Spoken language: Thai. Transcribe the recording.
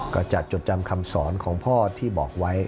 ก็จัดจดจำคำสอนของพ่อที่บอกไว้